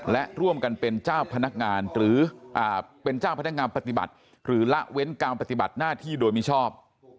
และร่วมกันเป็นเจ้าพนักงานหรือเป็นเจ้าพนักงานปฏิบัติหรือละเว้นการปฏิบัติหน้าที่โดยมิชอบ